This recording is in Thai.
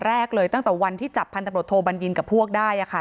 แรกเลยตั้งแต่วันที่จับพันธบทโทบัญญินกับพวกได้ค่ะ